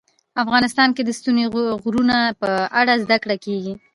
افغانستان کې د ستوني غرونه په اړه زده کړه کېږي.